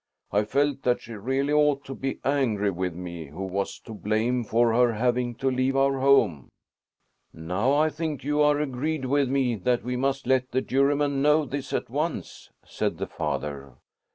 I felt that she really ought to be angry with me who was to blame for her having to leave our home." "Now I think you are agreed with me that we must let the Juryman know this at once," said the father.